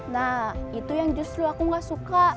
nah itu yang justru aku gak suka